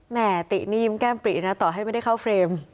แม่ตินี่ยิ้มแก้มปรินะต่อให้ไม่ได้เข้าเฟรม